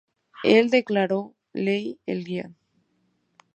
Él declaró: "Leí el guión.